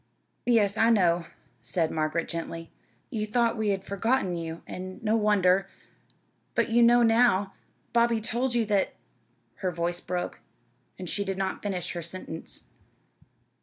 "Yes, I know," said Margaret, gently. "You thought we had forgotten you, and no wonder. But you know now? Bobby told you that " her voice broke, and she did not finish her sentence.